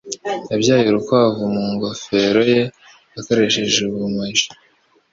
Yabyaye urukwavu mu ngofero ye akoresheje ubumaji